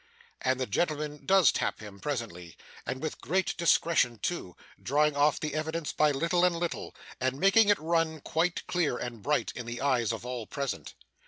And the gentleman does tap him presently, and with great discretion too; drawing off the evidence by little and little, and making it run quite clear and bright in the eyes of all present.